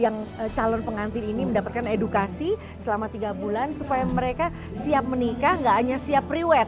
yang calon pengantin ini mendapatkan edukasi selama tiga bulan supaya mereka siap menikah nggak hanya siap riwet